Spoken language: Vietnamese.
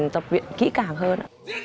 tập luyện kỹ càng hơn